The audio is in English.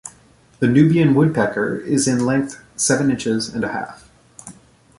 The Nubian woodpecker is in length seven inches and a half.